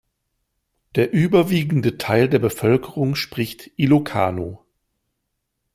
Der überwiegende Teil der Bevölkerung spricht Ilokano.